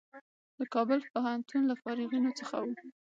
د کابل پوهنتون له فارغینو څخه و.